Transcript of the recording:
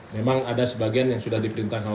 memang ada sebagian yang sudah diperintahkan